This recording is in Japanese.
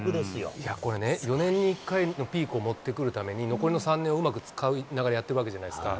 これね、４年に１回のピークを持ってくるために、残りの３年をうまく使いながらやってるわけじゃないですか。